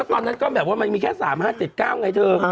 ตอนนั้นก็แบบว่ามันมีแค่๓๕๗๙ไงเธอ